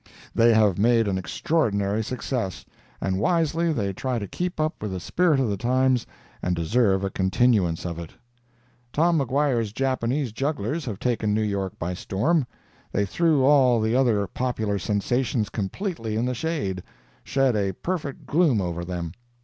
They have made an extraordinary success, and wisely they try to keep up with the spirit of the times and deserve a continuance of it. Tom Maguire's Japanese Jugglers have taken New York by storm. They threw all the other popular sensations completely in the shade—shed a perfect gloom over them.